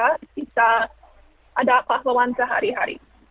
kita ada pahlawan sehari hari